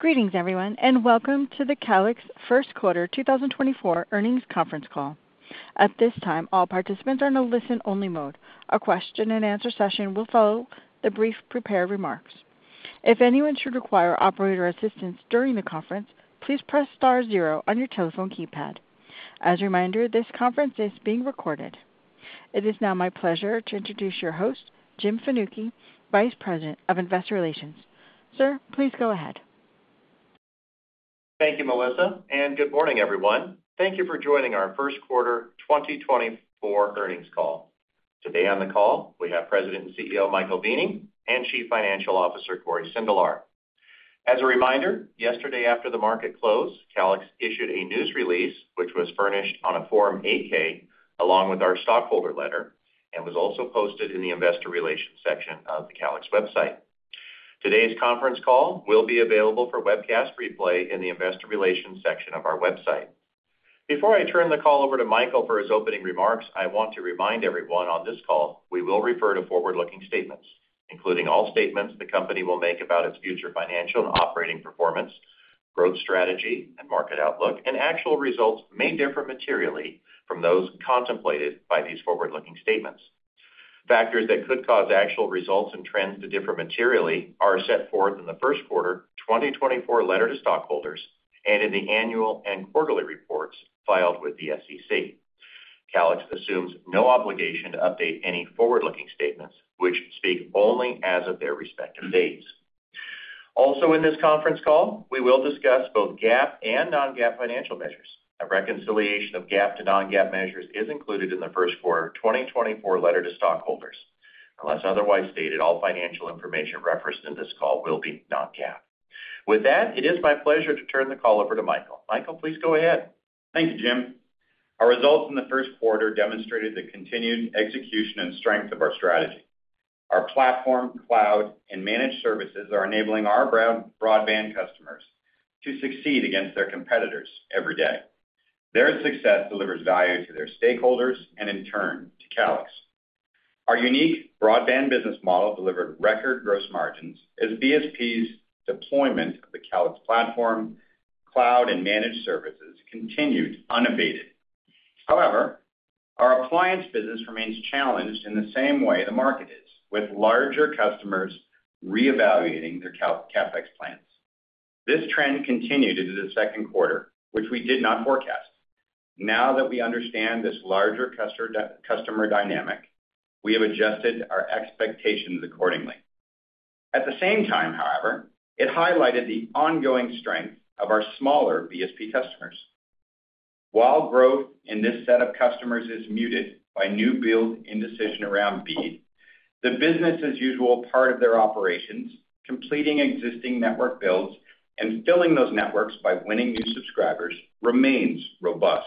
Greetings, everyone, and welcome to the Calix First Quarter 2024 Earnings Conference Call. At this time, all participants are in a listen-only mode. A question-and-answer session will follow the brief prepared remarks. If anyone should require operator assistance during the conference, please press star zero on your telephone keypad. As a reminder, this conference is being recorded. It is now my pleasure to introduce your host, Jim Fanucchi, Vice President of Investor Relations. Sir, please go ahead. Thank you, Melissa, and good morning, everyone. Thank you for joining our first quarter 2024 earnings call. Today on the call, we have President and CEO Michael Weening and Chief Financial Officer Cory Sindelar. As a reminder, yesterday after the market closed, Calix issued a news release which was furnished on a Form 8-K along with our stockholder letter and was also posted in the Investor Relations section of the Calix website. Today's conference call will be available for webcast replay in the Investor Relations section of our website. Before I turn the call over to Michael for his opening remarks, I want to remind everyone on this call we will refer to forward-looking statements, including all statements the company will make about its future financial and operating performance, growth strategy, and market outlook, and actual results may differ materially from those contemplated by these forward-looking statements. Factors that could cause actual results and trends to differ materially are set forth in the first quarter 2024 letter to stockholders and in the annual and quarterly reports filed with the SEC. Calix assumes no obligation to update any forward-looking statements which speak only as of their respective dates. Also, in this conference call, we will discuss both GAAP and non-GAAP financial measures. A reconciliation of GAAP to non-GAAP measures is included in the first quarter 2024 letter to stockholders. Unless otherwise stated, all financial information referenced in this call will be non-GAAP. With that, it is my pleasure to turn the call over to Michael. Michael, please go ahead. Thank you, Jim. Our results in the first quarter demonstrated the continued execution and strength of our strategy. Our platform, cloud, and managed services are enabling our broadband customers to succeed against their competitors every day. Their success delivers value to their stakeholders and, in turn, to Calix. Our unique broadband business model delivered record gross margins as BSP's deployment of the Calix platform, cloud, and managed services continued unabated. However, our appliance business remains challenged in the same way the market is, with larger customers reevaluating their CapEx plans. This trend continued into the second quarter, which we did not forecast. Now that we understand this larger customer dynamic, we have adjusted our expectations accordingly. At the same time, however, it highlighted the ongoing strength of our smaller BSP customers. While growth in this set of customers is muted by new build indecision around BEAD, the business-as-usual part of their operations, completing existing network builds and filling those networks by winning new subscribers, remains robust.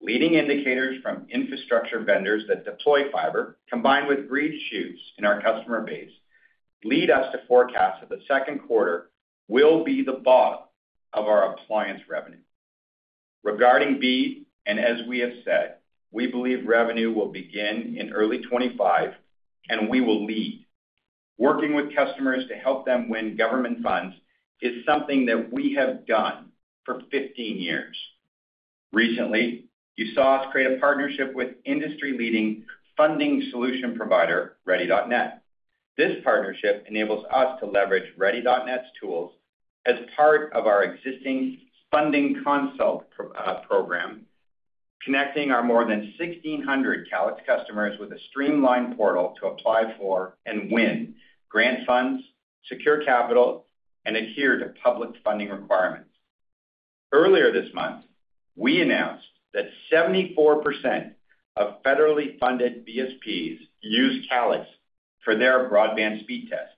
Leading indicators from infrastructure vendors that deploy fiber, combined with green shoots in our customer base, lead us to forecast that the second quarter will be the bottom of our appliance revenue. Regarding BEAD, and as we have said, we believe revenue will begin in early 2025, and we will lead. Working with customers to help them win government funds is something that we have done for 15 years. Recently, you saw us create a partnership with industry-leading funding solution provider Ready.net. This partnership enables us to leverage Ready.net's tools as part of our existing funding consult program, connecting our more than 1,600 Calix customers with a streamlined portal to apply for and win grant funds, secure capital, and adhere to public funding requirements. Earlier this month, we announced that 74% of federally funded BSPs use Calix for their broadband speed test.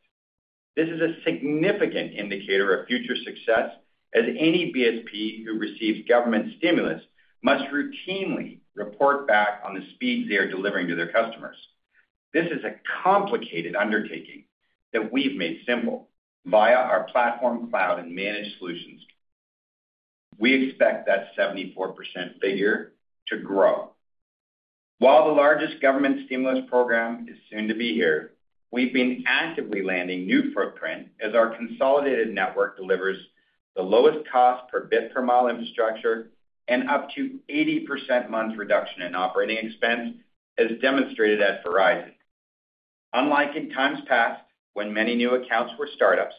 This is a significant indicator of future success, as any BSP who receives government stimulus must routinely report back on the speeds they are delivering to their customers. This is a complicated undertaking that we've made simple via our platform, cloud, and managed solutions. We expect that 74% figure to grow. While the largest government stimulus program is soon to be here, we've been actively landing new footprint as our consolidated network delivers the lowest cost per bit per mile infrastructure and up to 80% reduction in operating expense, as demonstrated at Verizon. Unlike in times past when many new accounts were startups,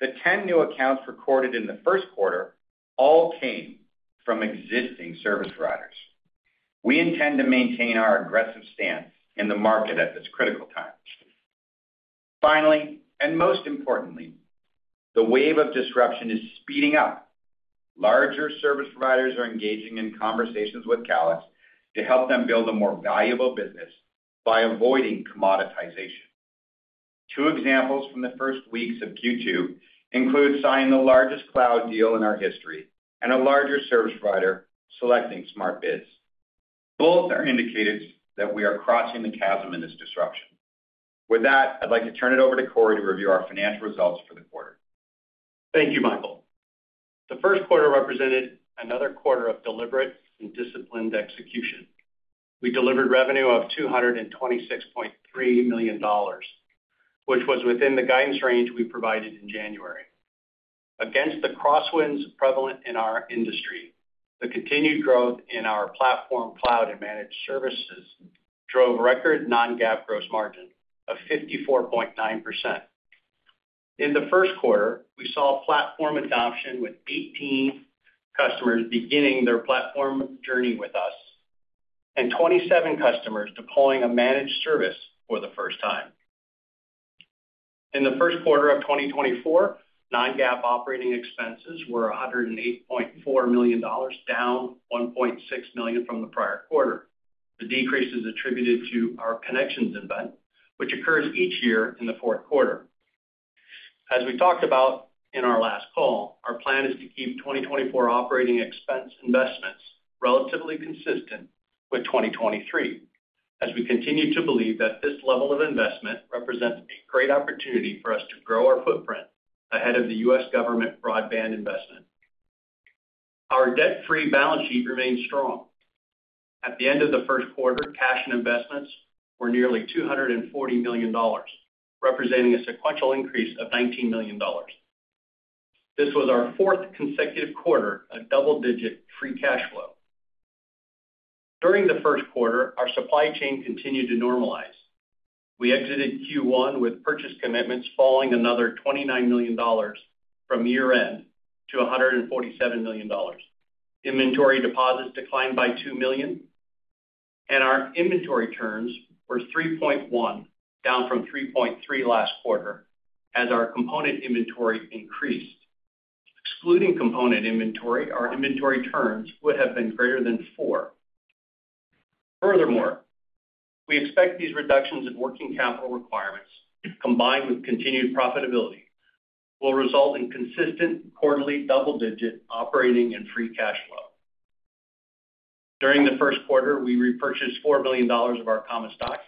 the 10 new accounts recorded in the first quarter all came from existing service providers. We intend to maintain our aggressive stance in the market at this critical time. Finally, and most importantly, the wave of disruption is speeding up. Larger service providers are engaging in conversations with Calix to help them build a more valuable business by avoiding commoditization. Two examples from the first weeks of Q2 include signing the largest cloud deal in our history and a larger service provider selecting SmartBiz. Both are indicators that we are crossing the chasm in this disruption. With that, I'd like to turn it over to Cory to review our financial results for the quarter. Thank you, Michael. The first quarter represented another quarter of deliberate and disciplined execution. We delivered revenue of $226.3 million, which was within the guidance range we provided in January. Against the crosswinds prevalent in our industry, the continued growth in our platform, cloud, and managed services drove record non-GAAP gross margin of 54.9%. In the first quarter, we saw platform adoption with 18 customers beginning their platform journey with us and 27 customers deploying a managed service for the first time. In the first quarter of 2024, non-GAAP operating expenses were $108.4 million, down $1.6 million from the prior quarter. The decrease is attributed to our ConneXions Event, which occurs each year in the fourth quarter. As we talked about in our last call, our plan is to keep 2024 operating expense investments relatively consistent with 2023, as we continue to believe that this level of investment represents a great opportunity for us to grow our footprint ahead of the U.S. government broadband investment. Our debt-free balance sheet remains strong. At the end of the first quarter, cash and investments were nearly $240 million, representing a sequential increase of $19 million. This was our fourth consecutive quarter of double-digit free cash flow. During the first quarter, our supply chain continued to normalize. We exited Q1 with purchase commitments falling another $29 million from year-end to $147 million, inventory deposits declined by $2 million, and our inventory turns were 3.1, down from 3.3 last quarter as our component inventory increased. Excluding component inventory, our inventory turns would have been greater than 4. Furthermore, we expect these reductions in working capital requirements, combined with continued profitability, will result in consistent quarterly double-digit operating and free cash flow. During the first quarter, we repurchased $4 million of our common stock,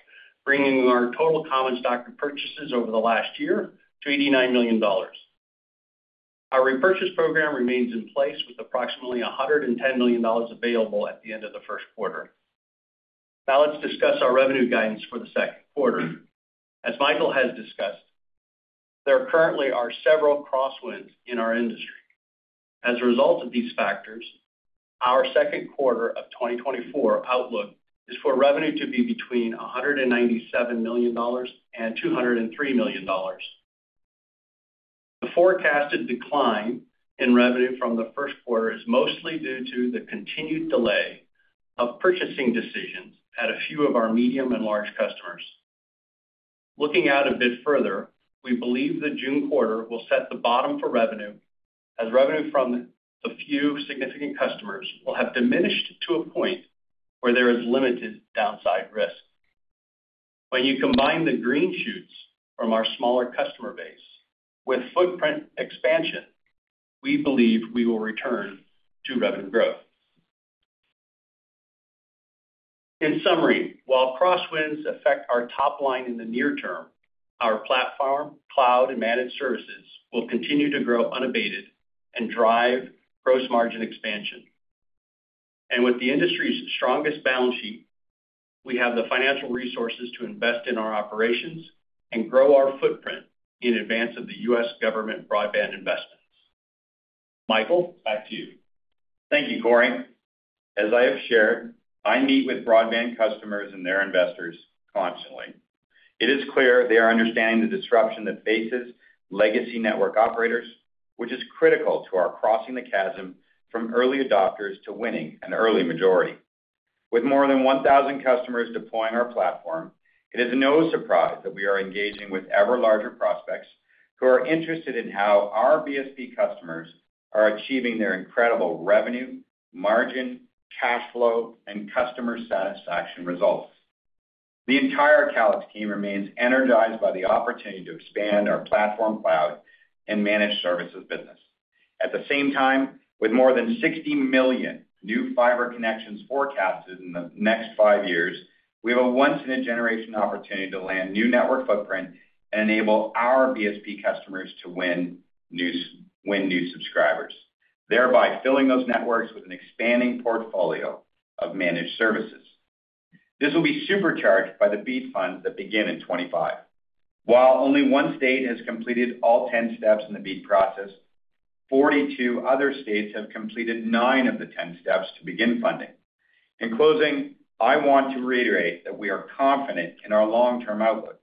bringing our total common stock purchases over the last year to $89 million. Our repurchase program remains in place, with approximately $110 million available at the end of the first quarter. Now let's discuss our revenue guidance for the second quarter. As Michael has discussed, there currently are several crosswinds in our industry. As a result of these factors, our second quarter of 2024 outlook is for revenue to be between $197 million and $203 million. The forecasted decline in revenue from the first quarter is mostly due to the continued delay of purchasing decisions at a few of our medium and large customers. Looking out a bit further, we believe the June quarter will set the bottom for revenue, as revenue from the few significant customers will have diminished to a point where there is limited downside risk. When you combine the green shoots from our smaller customer base with footprint expansion, we believe we will return to revenue growth. In summary, while crosswinds affect our top line in the near term, our platform, cloud, and managed services will continue to grow unabated and drive gross margin expansion. With the industry's strongest balance sheet, we have the financial resources to invest in our operations and grow our footprint in advance of the U.S. government broadband investments. Michael, back to you. Thank you, Cory. As I have shared, I meet with broadband customers and their investors constantly. It is clear they are understanding the disruption that faces legacy network operators, which is critical to our crossing the chasm from early adopters to winning an early majority. With more than 1,000 customers deploying our platform, it is no surprise that we are engaging with ever larger prospects who are interested in how our BSP customers are achieving their incredible revenue, margin, cash flow, and customer satisfaction results. The entire Calix team remains energized by the opportunity to expand our platform, cloud, and managed services business. At the same time, with more than 60 million new fiber connections forecasted in the next five years, we have a once-in-a-generation opportunity to land new network footprint and enable our BSP customers to win new subscribers, thereby filling those networks with an expanding portfolio of managed services. This will be supercharged by the BEAD funds that begin in 2025. While only one state has completed all 10 steps in the BEAD process, 42 other states have completed 9 of the 10 steps to begin funding. In closing, I want to reiterate that we are confident in our long-term outlook.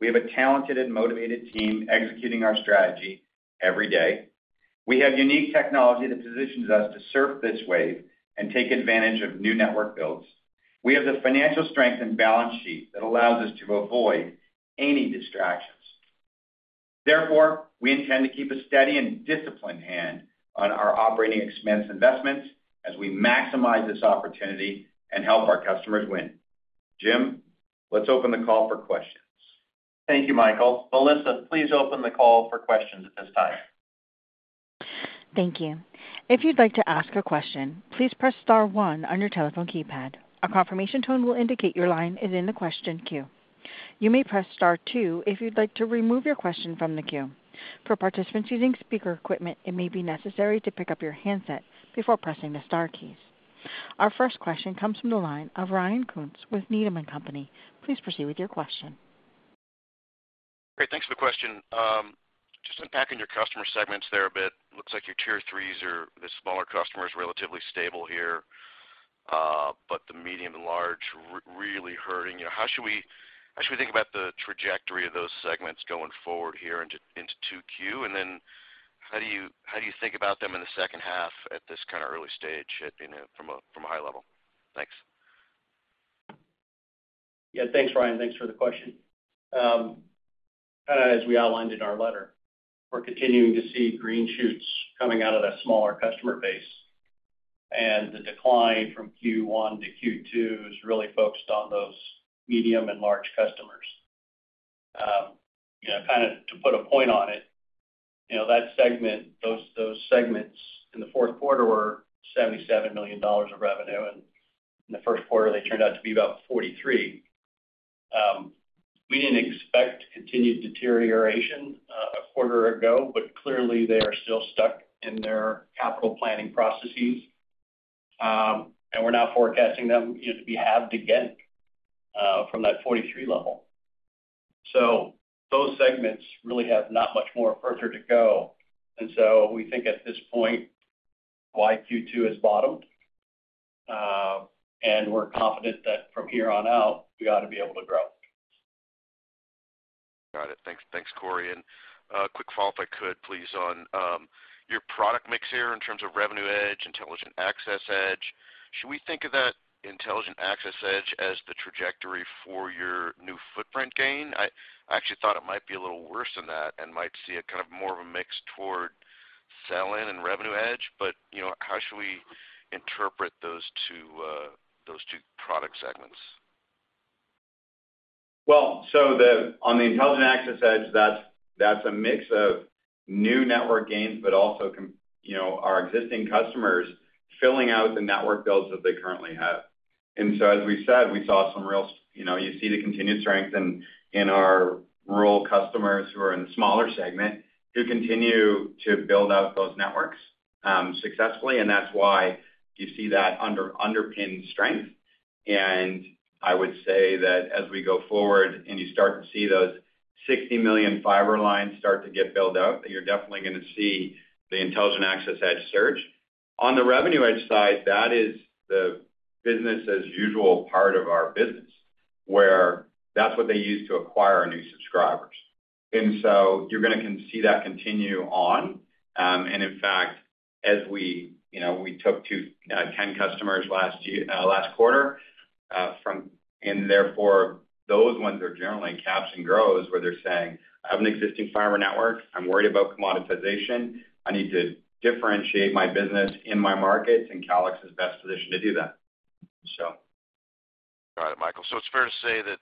We have a talented and motivated team executing our strategy every day. We have unique technology that positions us to surf this wave and take advantage of new network builds. We have the financial strength and balance sheet that allows us to avoid any distractions. Therefore, we intend to keep a steady and disciplined hand on our operating expense investments as we maximize this opportunity and help our customers win. Jim, let's open the call for questions. Thank you, Michael. Melissa, please open the call for questions at this time. Thank you. If you'd like to ask a question, please press star 1 on your telephone keypad. A confirmation tone will indicate your line is in the question queue. You may press star 2 if you'd like to remove your question from the queue. For participants using speaker equipment, it may be necessary to pick up your handset before pressing the star keys. Our first question comes from the line of Ryan Koontz with Needham & Company. Please proceed with your question. Great. Thanks for the question. Just unpacking your customer segments there a bit. Looks like your Tier 3s or the smaller customers are relatively stable here, but the medium and large are really hurting. How should we think about the trajectory of those segments going forward here into Q2? And then how do you think about them in the second half at this kind of early stage from a high level? Thanks. Yeah. Thanks, Ryan. Thanks for the question. Kind of as we outlined in our letter, we're continuing to see green shoots coming out of that smaller customer base, and the decline from Q1 to Q2 is really focused on those medium and large customers. Kind of to put a point on it, that segment, those segments in the fourth quarter were $77 million of revenue, and in the first quarter, they turned out to be about $43 million. We didn't expect continued deterioration a quarter ago, but clearly, they are still stuck in their capital planning processes, and we're now forecasting them to be halved again from that $43 million level. So those segments really have not much more further to go. And so we think at this point, why Q2 has bottomed, and we're confident that from here on out, we ought to be able to grow. Got it. Thanks, Cory. A quick follow-up, if I could, please, on your product mix here in terms of Revenue EDGE, Intelligent Access EDGE. Should we think of that Intelligent Access EDGE as the trajectory for your new footprint gain? I actually thought it might be a little worse than that and might see it kind of more of a mix toward sell-in and Revenue EDGE. But how should we interpret those two product segments? Well, so on the Intelligent Access EDGE, that's a mix of new network gains but also our existing customers filling out the network builds that they currently have. And so as we said, we saw some real, you see, the continued strength in our rural customers who are in the smaller segment who continue to build out those networks successfully. And that's why you see that underpinned strength. And I would say that as we go forward and you start to see those 60 million fiber lines start to get built out, that you're definitely going to see the Intelligent Access EDGE surge. On the Revenue EDGE side, that is the business-as-usual part of our business, where that's what they use to acquire new subscribers. And so you're going to see that continue on. In fact, as we took 10 customers last quarter, and therefore, those ones are generally CapEx and grows, where they're saying, "I have an existing fiber network. I'm worried about commoditization. I need to differentiate my business in my markets, and Calix is the best position to do that," so. Got it, Michael. So it's fair to say that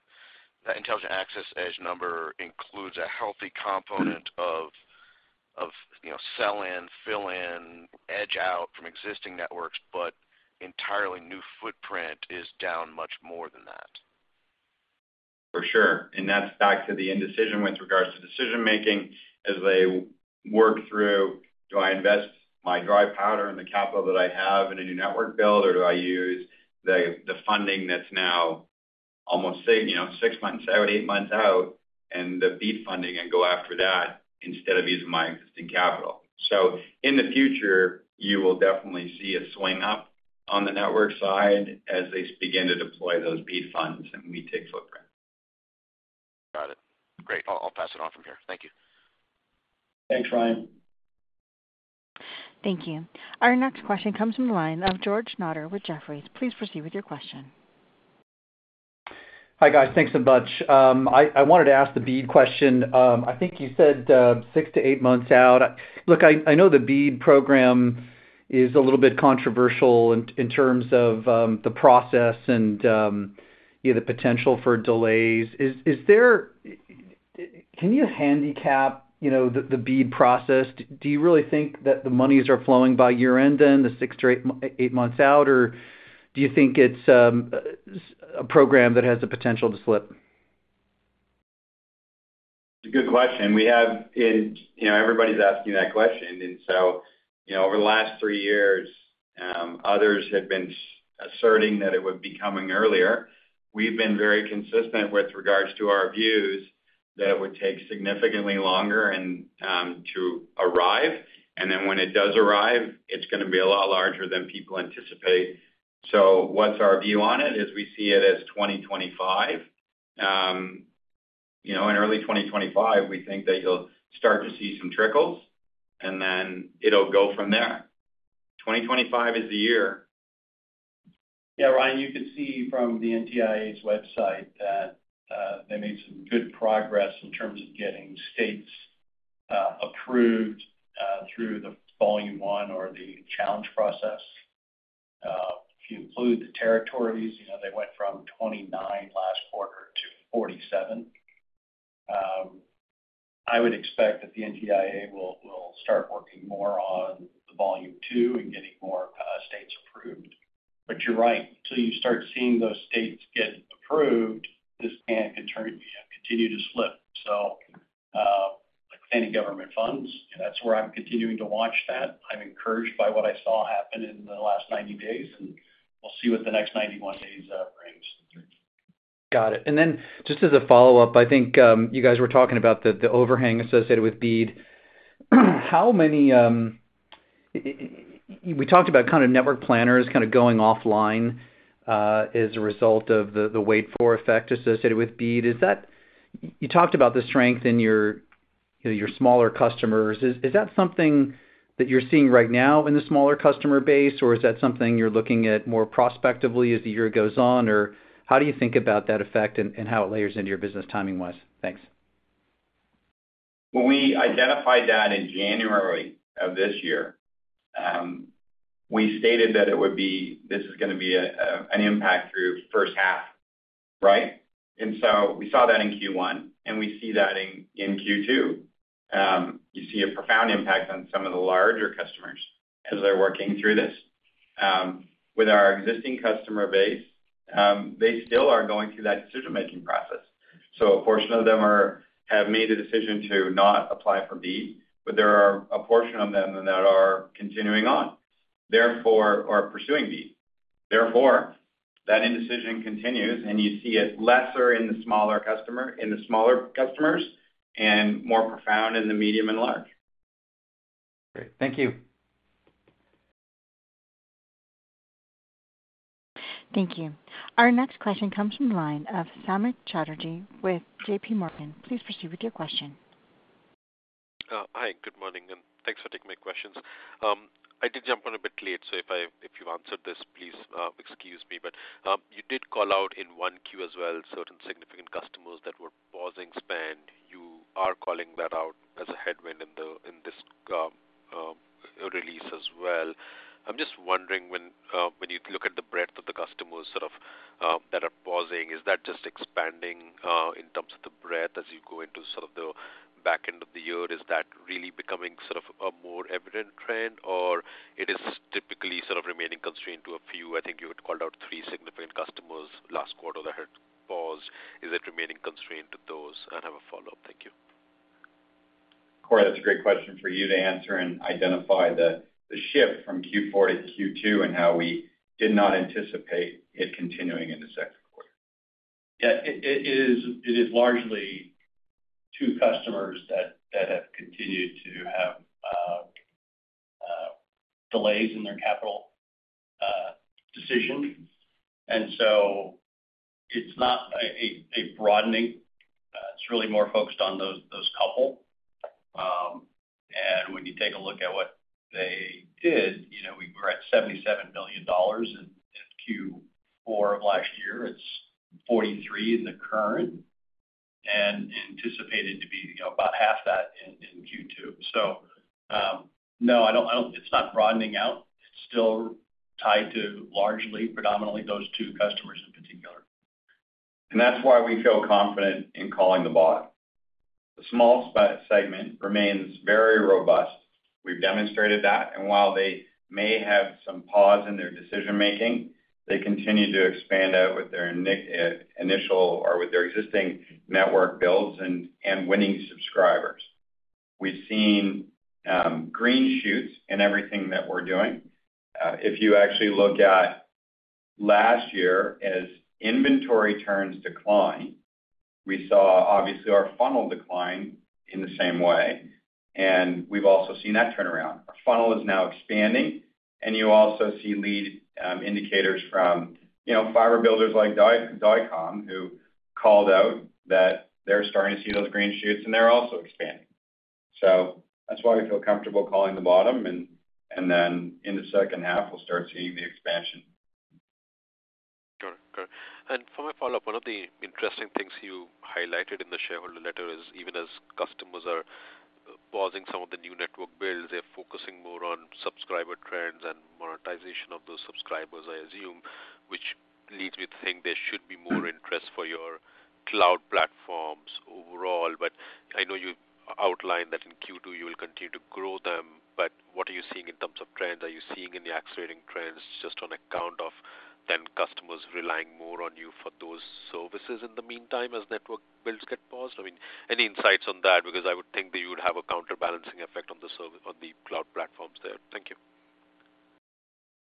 that Intelligent Access EDGE number includes a healthy component of sell-in, fill-in, edge-out from existing networks, but entirely new footprint is down much more than that. For sure. And that's back to the indecision with regards to decision-making as they work through, "Do I invest my dry powder and the capital that I have in a new network build, or do I use the funding that's now almost 6 months out, 8 months out, and the BEAD funding and go after that instead of using my existing capital?" So in the future, you will definitely see a swing up on the network side as they begin to deploy those BEAD funds and retake footprint. Got it. Great. I'll pass it on from here. Thank you. Thanks, Ryan. Thank you. Our next question comes from the line of George Notter with Jefferies. Please proceed with your question. Hi, guys. Thanks so much. I wanted to ask the BEAD question. I think you said 6-8 months out. Look, I know the BEAD Program is a little bit controversial in terms of the process and the potential for delays. Can you handicap the BEAD process? Do you really think that the monies are flowing by year-end then, the 6-8 months out, or do you think it's a program that has the potential to slip? It's a good question. Everybody's asking that question. And so over the last three years, others have been asserting that it would be coming earlier. We've been very consistent with regards to our views that it would take significantly longer to arrive. And then when it does arrive, it's going to be a lot larger than people anticipate. So what's our view on it is we see it as 2025. In early 2025, we think that you'll start to see some trickles, and then it'll go from there. 2025 is the year. Yeah, Ryan, you could see from the NTIA website that they made some good progress in terms of getting states approved through the Volume I or the challenge process. If you include the territories, they went from 29 last quarter to 47. I would expect that the NTIA will start working more on the Volume II and getting more states approved. But you're right. Until you start seeing those states get approved, this can continue to slip. So with any government funds, that's where I'm continuing to watch that. I'm encouraged by what I saw happen in the last 90 days, and we'll see what the next 91 days brings. Got it. And then just as a follow-up, I think you guys were talking about the overhang associated with BEAD. We talked about kind of network planners kind of going offline as a result of the wait-for effect associated with BEAD. You talked about the strength in your smaller customers. Is that something that you're seeing right now in the smaller customer base, or is that something you're looking at more prospectively as the year goes on? Or how do you think about that effect and how it layers into your business timing-wise? Thanks. Well, we identified that in January of this year. We stated that it would be this is going to be an impact through first half, right? And so we saw that in Q1, and we see that in Q2. You see a profound impact on some of the larger customers as they're working through this. With our existing customer base, they still are going through that decision-making process. So a portion of them have made the decision to not apply for BEAD, but there are a portion of them that are continuing on or pursuing BEAD. Therefore, that indecision continues, and you see it lesser in the smaller customers and more profound in the medium and large. Great. Thank you. Thank you. Our next question comes from the line of Samik Chatterjee with JP Morgan. Please proceed with your question. Hi. Good morning, and thanks for taking my questions. I did jump on a bit late, so if you've answered this, please excuse me. But you did call out in one queue as well certain significant customers that were pausing spend. You are calling that out as a headwind in this release as well. I'm just wondering, when you look at the breadth of the customers that are pausing, is that just expanding in terms of the breadth as you go into sort of the back end of the year? Is that really becoming sort of a more evident trend, or it is typically sort of remaining constrained to a few? I think you had called out three significant customers last quarter that had paused. Is it remaining constrained to those? I'll have a follow-up. Thank you. Cory, that's a great question for you to answer and identify the shift from Q4 to Q2 and how we did not anticipate it continuing into second quarter. Yeah. It is largely two customers that have continued to have delays in their capital decision. And so it's not a broadening. It's really more focused on those couple. And when you take a look at what they did, we were at $77 million in Q4 of last year. It's $43 million in the current and anticipated to be about half that in Q2. So no, it's not broadening out. It's still tied to largely, predominantly, those two customers in particular. That's why we feel confident in calling the bottom. The small segment remains very robust. We've demonstrated that. While they may have some pause in their decision-making, they continue to expand out with their initial or with their existing network builds and winning subscribers. We've seen green shoots in everything that we're doing. If you actually look at last year as inventory turns declined, we saw, obviously, our funnel decline in the same way. We've also seen that turnaround. Our funnel is now expanding. You also see lead indicators from fiber builders like Dycom who called out that they're starting to see those green shoots, and they're also expanding. So that's why we feel comfortable calling the bottom. Then in the second half, we'll start seeing the expansion. Got it. Got it. And for my follow-up, one of the interesting things you highlighted in the shareholder letter is even as customers are pausing some of the new network builds, they're focusing more on subscriber trends and monetization of those subscribers, I assume, which leads me to think there should be more interest for your cloud platforms overall. But I know you outlined that in Q2, you will continue to grow them. But what are you seeing in terms of trends? Are you seeing any accelerating trends just on account of then customers relying more on you for those services in the meantime as network builds get paused? I mean, any insights on that because I would think that you would have a counterbalancing effect on the cloud platforms there. Thank you.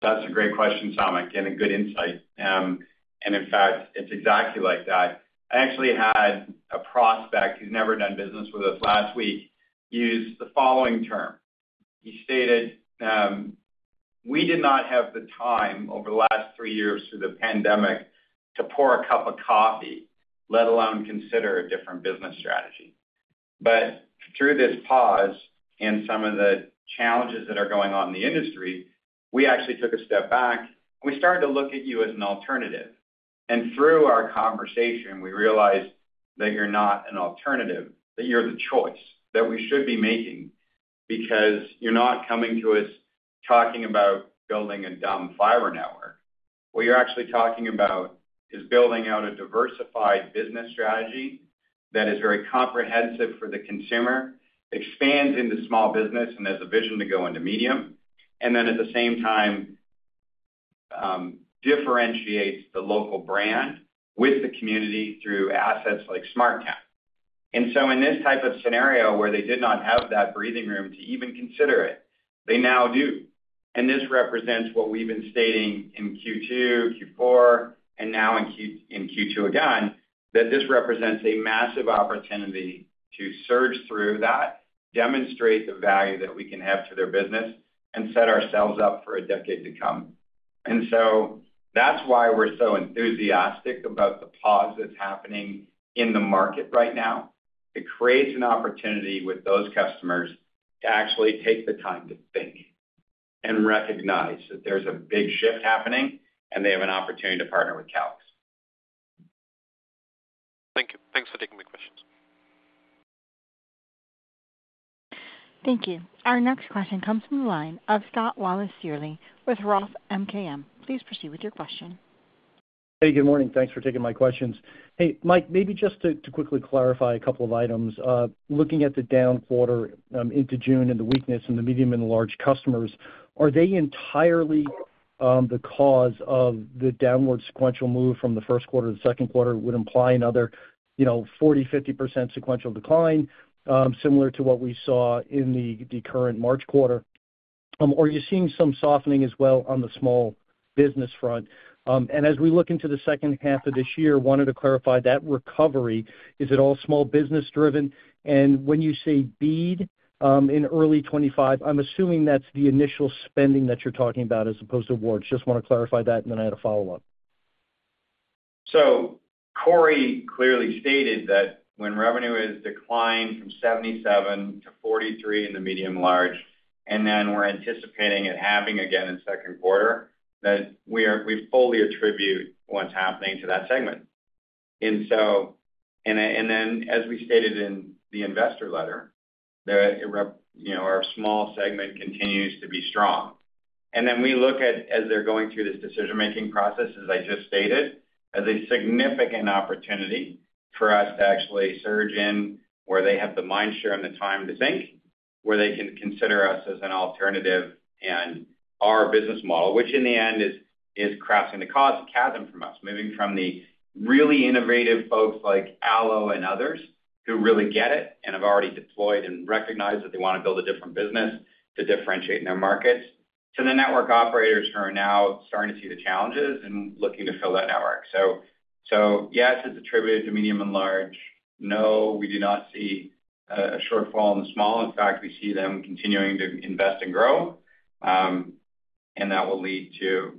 That's a great question, Samik, and a good insight. In fact, it's exactly like that. I actually had a prospect who's never done business with us last week use the following term. He stated, "We did not have the time over the last three years through the pandemic to pour a cup of coffee, let alone consider a different business strategy. But through this pause and some of the challenges that are going on in the industry, we actually took a step back, and we started to look at you as an alternative. And through our conversation, we realized that you're not an alternative, that you're the choice that we should be making because you're not coming to us talking about building a dumb fiber network. What you're actually talking about is building out a diversified business strategy that is very comprehensive for the consumer, expands into small business and has a vision to go into medium, and then at the same time, differentiates the local brand with the community through assets like SmartTown. And so in this type of scenario where they did not have that breathing room to even consider it, they now do. And this represents what we've been stating in Q2, Q4, and now in Q2 again, that this represents a massive opportunity to surge through that, demonstrate the value that we can have to their business, and set ourselves up for a decade to come. And so that's why we're so enthusiastic about the pause that's happening in the market right now. It creates an opportunity with those customers to actually take the time to think and recognize that there's a big shift happening, and they have an opportunity to partner with Calix. Thank you. Thanks for taking my questions. Thank you. Our next question comes from the line of Scott Searle with Roth MKM. Please proceed with your question. Hey, good morning. Thanks for taking my questions. Hey, Mike, maybe just to quickly clarify a couple of items. Looking at the down quarter into June and the weakness in the medium and large customers, are they entirely the cause of the downward sequential move from the first quarter to the second quarter? It would imply another 40%-50% sequential decline similar to what we saw in the current March quarter. Or are you seeing some softening as well on the small business front? And as we look into the second half of this year, I wanted to clarify that recovery. Is it all small business-driven? And when you say BEAD in early 2025, I'm assuming that's the initial spending that you're talking about as opposed to words. Just want to clarify that, and then I had a follow-up. Cory clearly stated that when revenue has declined from $77-$43 in the medium and large, and then we're anticipating it happening again in second quarter, that we fully attribute what's happening to that segment. As we stated in the investor letter, our small segment continues to be strong. And then we look at, as they're going through this decision-making process, as I just stated, as a significant opportunity for us to actually surge in where they have the mindshare and the time to think, where they can consider us as an alternative and our business model, which in the end is crafting the cause of chasm from us, moving from the really innovative folks like ALLO and others who really get it and have already deployed and recognize that they want to build a different business to differentiate in their markets to the network operators who are now starting to see the challenges and looking to fill that network. So yes, it's attributed to medium and large. No, we do not see a shortfall in the small. In fact, we see them continuing to invest and grow, and that will lead to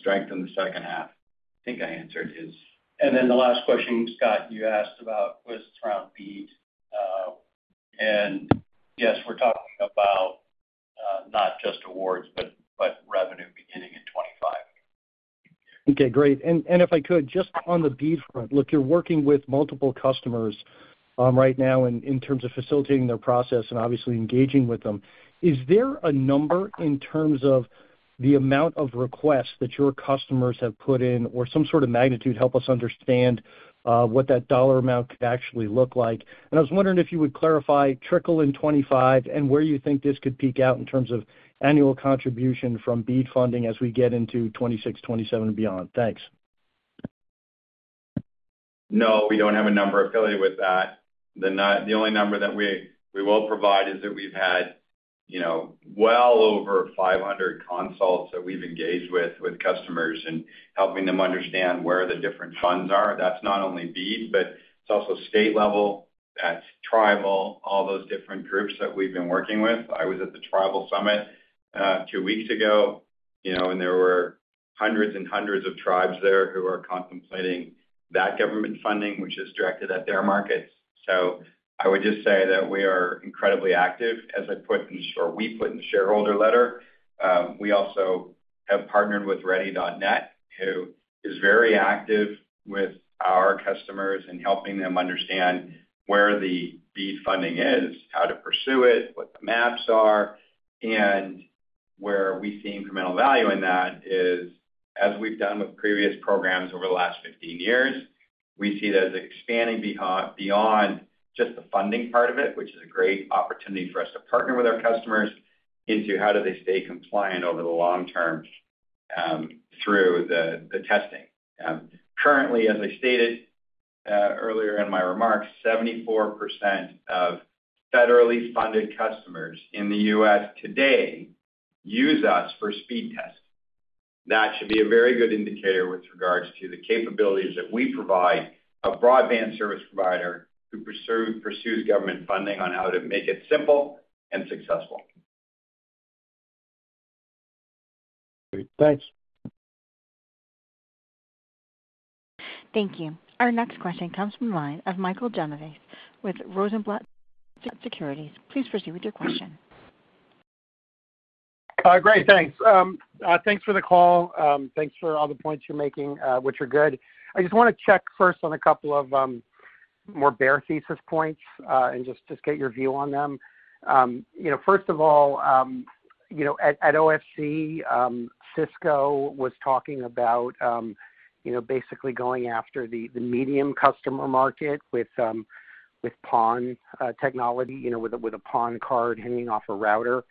strength in the second half. I think I answered his. Then the last question, Scott, you asked about was around BEAD. Yes, we're talking about not just awards but revenue beginning in 2025. Okay. Great. And if I could, just on the BEAD front, look, you're working with multiple customers right now in terms of facilitating their process and obviously engaging with them. Is there a number in terms of the amount of requests that your customers have put in or some sort of magnitude? Help us understand what that dollar amount could actually look like. And I was wondering if you would clarify trickle in 2025 and where you think this could peak out in terms of annual contribution from BEAD funding as we get into 2026, 2027, and beyond. Thanks. No, we don't have a number affiliated with that. The only number that we will provide is that we've had well over 500 consults that we've engaged with customers in helping them understand where the different funds are. That's not only BEAD, but it's also state level. That's tribal, all those different groups that we've been working with. I was at the tribal summit two weeks ago, and there were hundreds and hundreds of tribes there who are contemplating that government funding, which is directed at their markets. So I would just say that we are incredibly active, as I put or we put in the shareholder letter. We also have partnered with Ready.net, who is very active with our customers in helping them understand where the BEAD funding is, how to pursue it, what the maps are. Where we see incremental value in that is, as we've done with previous programs over the last 15 years, we see it as expanding beyond just the funding part of it, which is a great opportunity for us to partner with our customers, into how do they stay compliant over the long term through the testing. Currently, as I stated earlier in my remarks, 74% of federally funded customers in the U.S. today use us for speed tests. That should be a very good indicator with regards to the capabilities that we provide a broadband service provider who pursues government funding on how to make it simple and successful. Great. Thanks. Thank you. Our next question comes from the line of Michael Genovese with Rosenblatt Securities. Please proceed with your question. Great. Thanks. Thanks for the call. Thanks for all the points you're making, which are good. I just want to check first on a couple of more bare thesis points and just get your view on them. First of all, at OFC, Cisco was talking about basically going after the medium customer market with PON technology, with a PON card hanging off a router,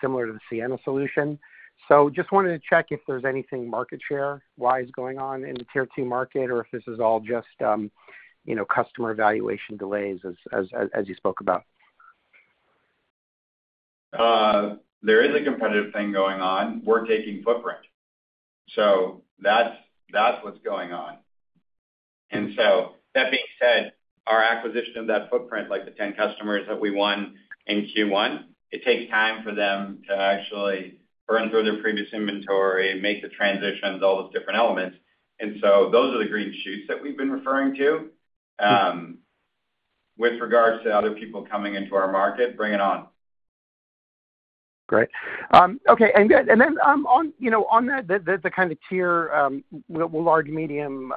similar to the Ciena solution. So just wanted to check if there's anything market share-wise going on in the Tier 2 market or if this is all just customer evaluation delays, as you spoke about. There is a competitive thing going on. We're taking footprint. So that's what's going on. And so that being said, our acquisition of that footprint, like the 10 customers that we won in Q1, it takes time for them to actually burn through their previous inventory, make the transitions, all those different elements. And so those are the green shoots that we've been referring to with regards to other people coming into our market, bringing on. Great. Okay. And good. And then on that, the kind of tier, well, large, medium,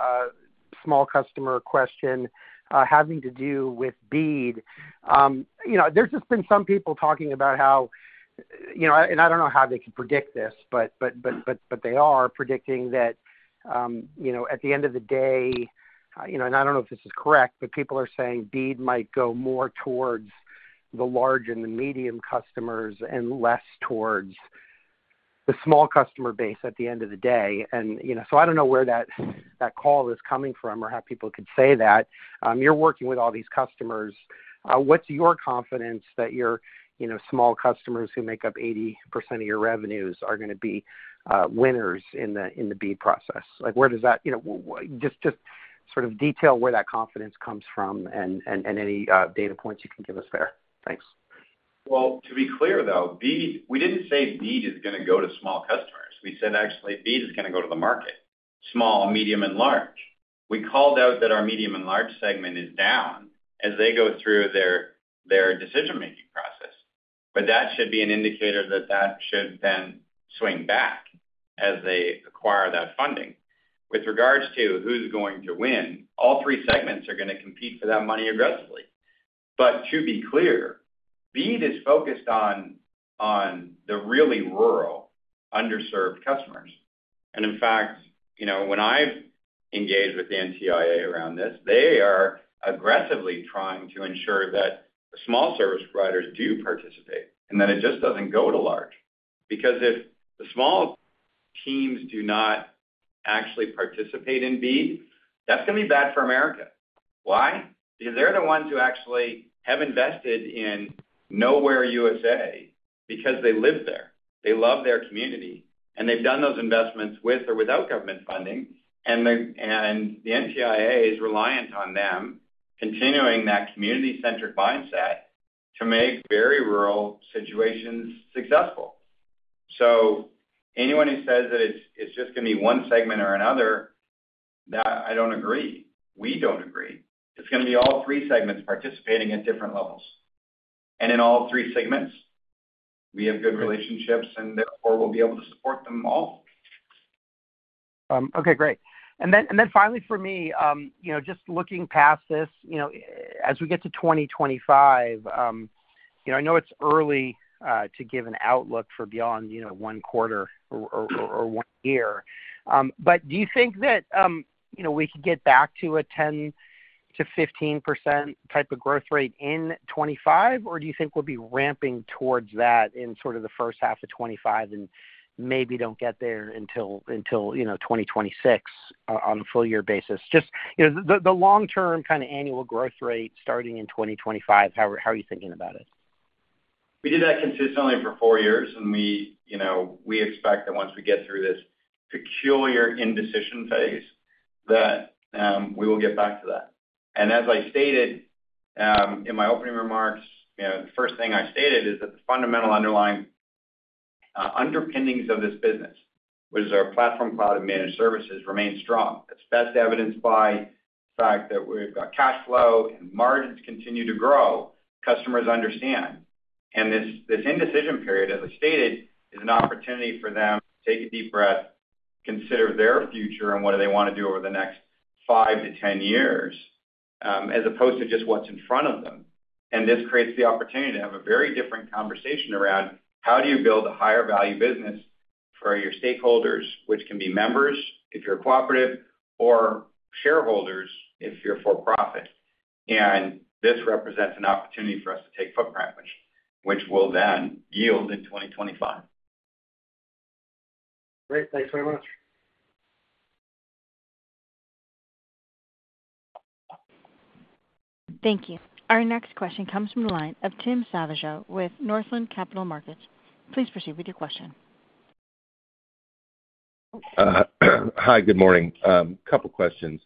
small customer question having to do with BEAD, there's just been some people talking about how and I don't know how they could predict this, but they are predicting that at the end of the day and I don't know if this is correct, but people are saying BEAD might go more towards the large and the medium customers and less towards the small customer base at the end of the day. So I don't know where that call is coming from or how people could say that. You're working with all these customers. What's your confidence that your small customers who make up 80% of your revenues are going to be winners in the BEAD process? Where does that just sort of detail where that confidence comes from, and any data points you can give us there? Thanks. Well, to be clear, though, we didn't say BEAD is going to go to small customers. We said, actually, BEAD is going to go to the market, small, medium, and large. We called out that our medium and large segment is down as they go through their decision-making process. But that should be an indicator that that should then swing back as they acquire that funding. With regards to who's going to win, all three segments are going to compete for that money aggressively. But to be clear, BEAD is focused on the really rural, underserved customers. And in fact, when I've engaged with the NTIA around this, they are aggressively trying to ensure that the small service providers do participate and that it just doesn't go to large because if the small teams do not actually participate in BEAD, that's going to be bad for America. Why? Because they're the ones who actually have invested in nowhere USA because they live there. They love their community, and they've done those investments with or without government funding. And the NTIA is reliant on them continuing that community-centric mindset to make very rural situations successful. So anyone who says that it's just going to be one segment or another, I don't agree. We don't agree. It's going to be all three segments participating at different levels. And in all three segments, we have good relationships, and therefore, we'll be able to support them all. Okay. Great. And then finally, for me, just looking past this, as we get to 2025, I know it's early to give an outlook for beyond one quarter or one year. But do you think that we could get back to a 10%-15% type of growth rate in 2025, or do you think we'll be ramping towards that in sort of the first half of 2025 and maybe don't get there until 2026 on a full-year basis? Just the long-term kind of annual growth rate starting in 2025, how are you thinking about it? We did that consistently for four years, and we expect that once we get through this peculiar indecision phase, that we will get back to that. As I stated in my opening remarks, the first thing I stated is that the fundamental underlying underpinnings of this business, which is our Platform, Cloud and Managed Services, remain strong. That's best evidenced by the fact that we've got cash flow and margins continue to grow. Customers understand. This indecision period, as I stated, is an opportunity for them to take a deep breath, consider their future, and what do they want to do over the next 5-10 years as opposed to just what's in front of them. This creates the opportunity to have a very different conversation around how do you build a higher-value business for your stakeholders, which can be members if you're a cooperative or shareholders if you're for-profit. This represents an opportunity for us to take footprint, which will then yield in 2025. Great. Thanks very much. Thank you. Our next question comes from the line of Tim Savageaux with Northland Capital Markets. Please proceed with your question. Hi. Good morning. A couple of questions.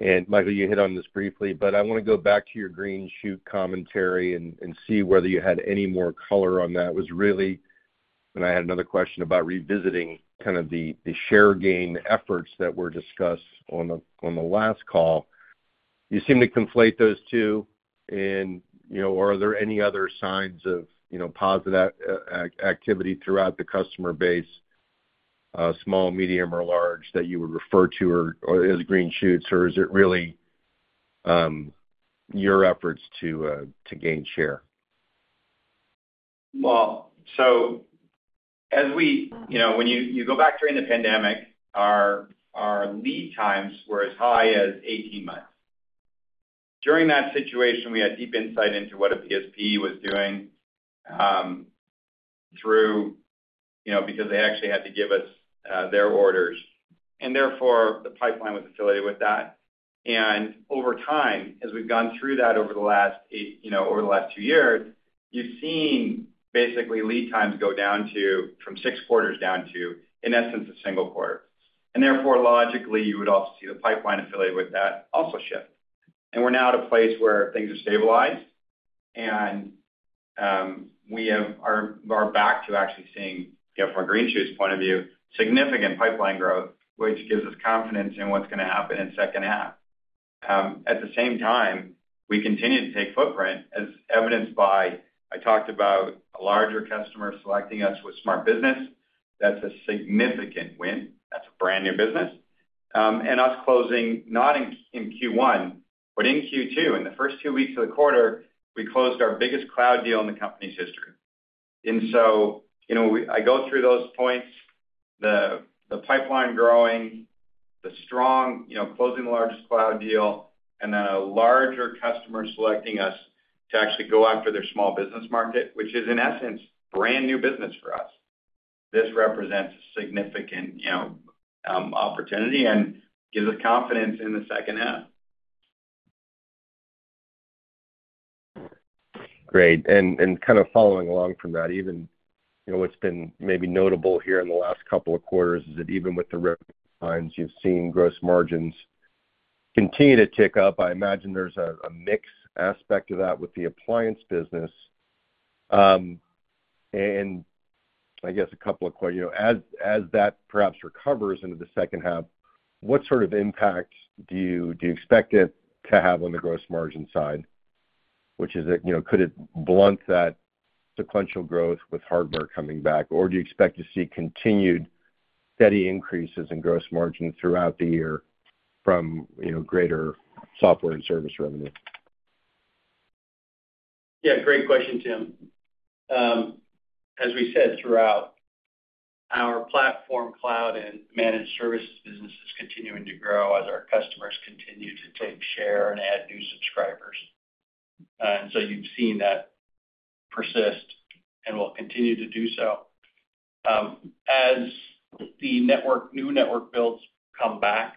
Michael, you hit on this briefly, but I want to go back to your green shoots commentary and see whether you had any more color on that. When I had another question about revisiting kind of the share gain efforts that were discussed on the last call, you seem to conflate those two. Are there any other signs of positive activity throughout the customer base, small, medium, or large, that you would refer to as green shoots, or is it really your efforts to gain share? Well, so when you go back during the pandemic, our lead times were as high as 18 months. During that situation, we had deep insight into what a PSP was doing because they actually had to give us their orders. And therefore, the pipeline was affiliated with that. And over time, as we've gone through that over the last 2 years, you've seen basically lead times go down from 6 quarters down to, in essence, a single quarter. And therefore, logically, you would also see the pipeline affiliated with that also shift. And we're now at a place where things are stabilized, and we are back to actually seeing, from a green shoots point of view, significant pipeline growth, which gives us confidence in what's going to happen in second half. At the same time, we continue to take footprint, as evidenced by, I talked about a larger customer selecting us with SmartBiz. That's a significant win. That's a brand new business. And us closing not in Q1 but in Q2. In the first two weeks of the quarter, we closed our biggest cloud deal in the company's history. And so I go through those points, the pipeline growing, the strong closing the largest cloud deal, and then a larger customer selecting us to actually go after their small business market, which is, in essence, brand new business for us. This represents a significant opportunity and gives us confidence in the second half. Great. And kind of following along from that, even what's been maybe notable here in the last couple of quarters is that even with the rip lines, you've seen gross margins continue to tick up. I imagine there's a mixed aspect of that with the appliance business. And I guess a couple of questions. As that perhaps recovers into the second half, what sort of impact do you expect it to have on the gross margin side, which is that could it blunt that sequential growth with hardware coming back, or do you expect to see continued steady increases in gross margin throughout the year from greater software and service revenue? Yeah. Great question, Tim. As we said throughout, our platform cloud and managed services business is continuing to grow as our customers continue to take share and add new subscribers. And so you've seen that persist and will continue to do so. As the new network builds come back,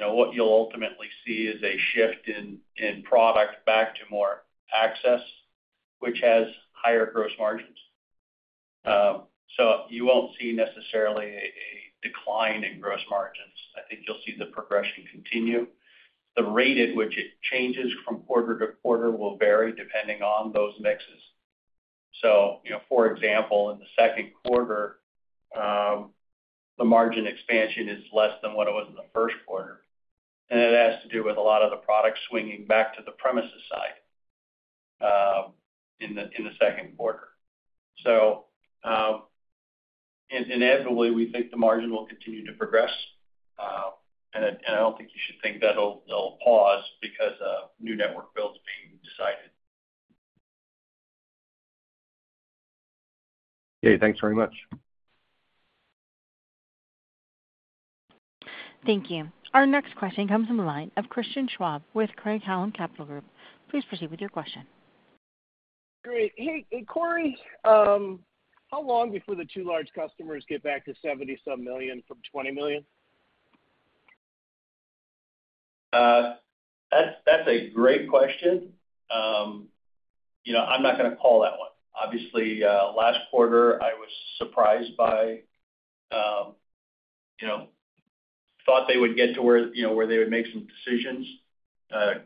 what you'll ultimately see is a shift in product back to more access, which has higher gross margins. So you won't see necessarily a decline in gross margins. I think you'll see the progression continue. The rate at which it changes from quarter to quarter will vary depending on those mixes. So for example, in the second quarter, the margin expansion is less than what it was in the first quarter. And it has to do with a lot of the product swinging back to the premises side in the second quarter. Inevitably, we think the margin will continue to progress. I don't think you should think that'll pause because of new network builds being decided. Yeah. Thanks very much. Thank you. Our next question comes from the line of Christian Schwab with Craig-Hallum Capital Group. Please proceed with your question. Great. Hey, Cory, how long before the two large customers get back to $70-some million from $20 million? That's a great question. I'm not going to call that one. Obviously, last quarter, I was surprised. I thought they would get to where they would make some decisions.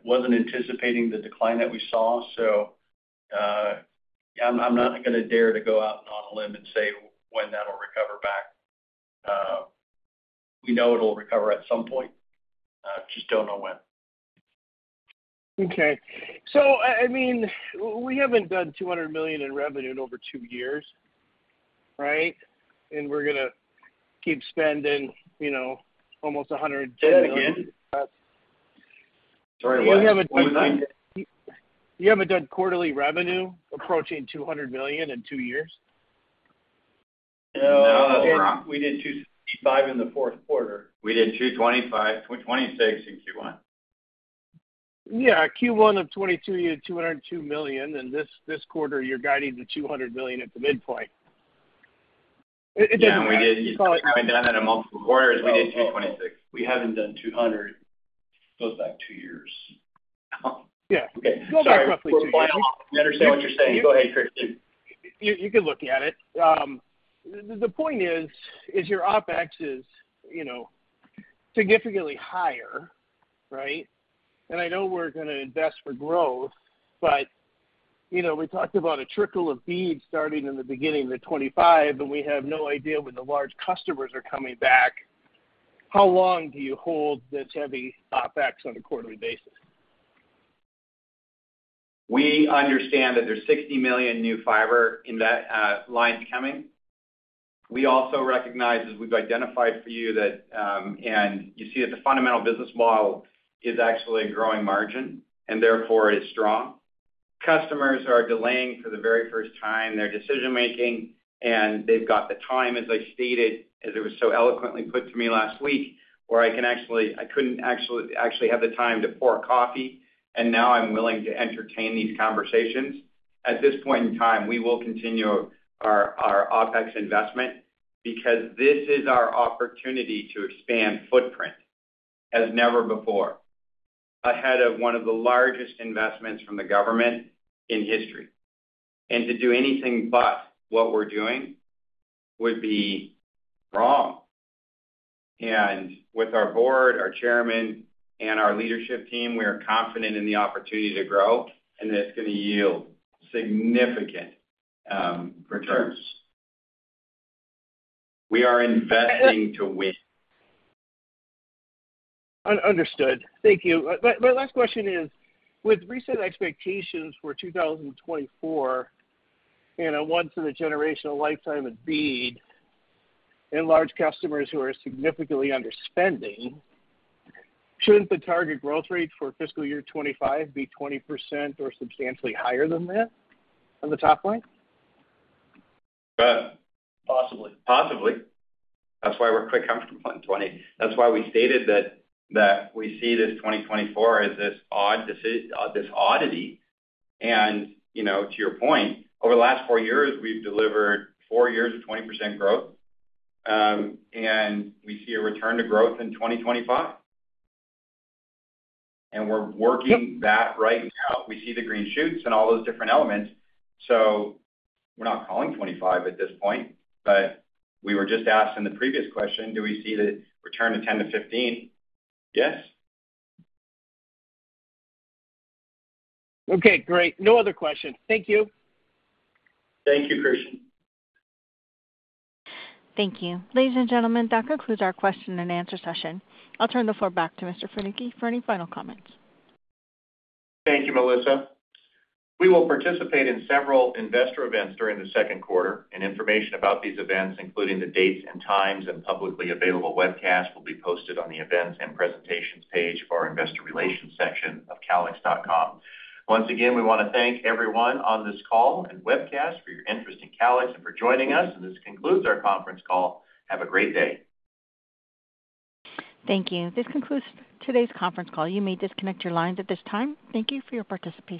Wasn't anticipating the decline that we saw. So I'm not going to dare to go out on a limb and say when that'll recover back. We know it'll recover at some point. Just don't know when. Okay. So I mean, we haven't done $200 million in revenue in over 2 years, right? And we're going to keep spending almost $110 million. Say that again. Us. Sorry. What? You haven't done quarterly revenue approaching $200 million in two years? No. We did 265 in the fourth quarter. We did 225, 26 in Q1. Yeah. Q1 of 2022, you had $202 million. And this quarter, you're guiding the $200 million at the midpoint. It doesn't look like you've done that in multiple quarters. We did $226 million. We haven't done 200. Goes back 2 years. Yeah. Go back roughly two years. I understand what you're saying. Go ahead, Christian. You can look at it. The point is your OPEX is significantly higher, right? And I know we're going to invest for growth, but we talked about a trickle of BEAD starting in the beginning of 2025, and we have no idea when the large customers are coming back. How long do you hold this heavy OPEX on a quarterly basis? We understand that there's 60 million new fiber in that line coming. We also recognize, as we've identified for you, and you see that the fundamental business model is actually a growing margin, and therefore, it is strong. Customers are delaying for the very first time their decision-making, and they've got the time, as I stated, as it was so eloquently put to me last week, where I couldn't actually have the time to pour coffee, and now I'm willing to entertain these conversations. At this point in time, we will continue our OPEX investment because this is our opportunity to expand footprint as never before ahead of one of the largest investments from the government in history. To do anything but what we're doing would be wrong. With our board, our chairman, and our leadership team, we are confident in the opportunity to grow, and it's going to yield significant returns. We are investing to win. Understood. Thank you. My last question is, with recent expectations for 2024 and a once-in-a-generational lifetime of BEAD and large customers who are significantly underspending, shouldn't the target growth rate for fiscal year 2025 be 20% or substantially higher than that on the top line? Possibly. That's why we're quite comfortable in 2020. That's why we stated that we see this 2024 as this oddity. To your point, over the last four years, we've delivered four years of 20% growth, and we see a return to growth in 2025. We're working that right now. We see the green shoots and all those different elements. So we're not calling 2025 at this point. But we were just asked in the previous question, do we see the return to 10%-15%? Yes. Okay. Great. No other questions. Thank you. Thank you, Christian. Thank you. Ladies and gentlemen, that concludes our question-and-answer session. I'll turn the floor back to Mr. Fanucchi for any final comments. Thank you, Melissa. We will participate in several investor events during the second quarter. Information about these events, including the dates and times and publicly available webcast, will be posted on the events and presentations page of our investor relations section of Calix.com. Once again, we want to thank everyone on this call and webcast for your interest in Calix and for joining us. This concludes our conference call. Have a great day. Thank you. This concludes today's conference call. You may disconnect your lines at this time. Thank you for your participation.